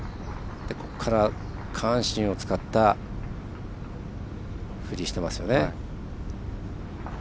ここから下半身を使った振りしてますよね。